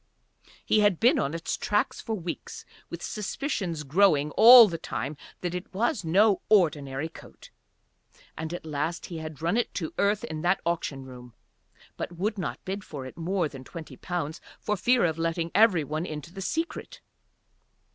He had been on its tracks for weeks with suspicions growing all the time that it was no ordinary coat, and at last he had run it to earth in that auction room but would not bid for it more than twenty pounds for fear of letting every one into the secret.